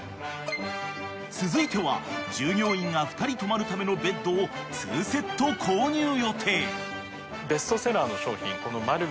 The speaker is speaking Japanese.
［続いては従業員が２人泊まるためのベッドを２セット購入予定］